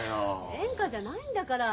演歌じゃないんだから。